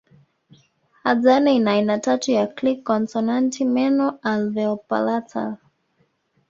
Hadzane ina aina tatu ya click konsonanti meno alveopalatal